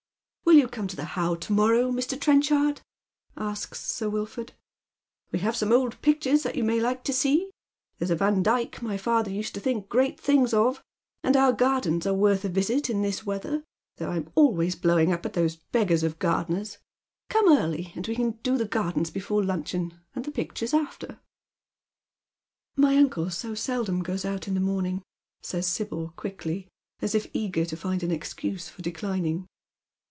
"Will you come to the How to morrow," Mr. Trench ard?" asks Sir Wilford. " We have some old pictures that you may like to see. There's a Vandyke my father used to think great things of, and our gardens are worth a visit in this weather, though I'm always blowing up those beggars of gardeners. Come early, and we can do the gardens before luncheon, and the pictures after." "My uncle so seldom goes out in the morning," says Sibyl, quickly, as if eager to find an excuse for declining.